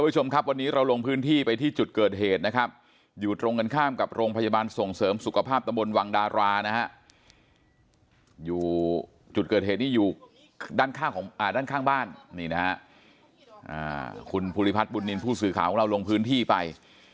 จุดเกิดเหตุนี้อยู่ด้านข้างบ้านคุณภูริพัฒน์บุตนินผู้สื่อขาของเราลงพื้นที่ไป